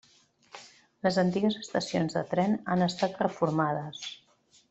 Les antigues estacions de tren han estat reformades.